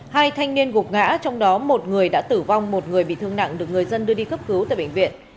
hai thanh niên gục ngã trong đó một người đã tử vong một người bị thương nặng được người dân đưa đi cấp cứu tại bệnh viện